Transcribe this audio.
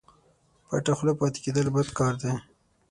پټه خوله پاته کېدل بد کار دئ